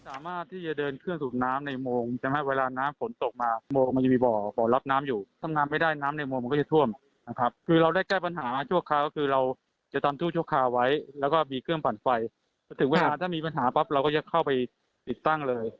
ถ้าถึงเวลาถ้ามีปัญหาปั๊บเราก็จะเข้าไปติดตั้งเลย